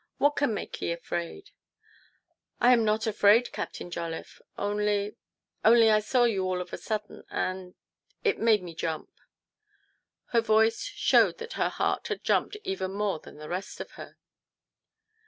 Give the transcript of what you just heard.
" What can make ye afraid ?"" I'm not afraid, Captain Jolliffe. Only only I saw you all of a sudden, and it made me jump." Her voice showed that her heart had jumped even more than the rest of her.